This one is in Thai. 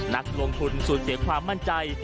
นักลงทุนสูญเสียความมั่นใจ